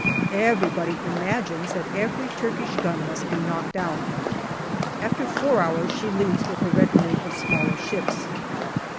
Everybody imagines that every Turkish gun must be knocked out. After four hours, she leaves with her retinue of smaller ships.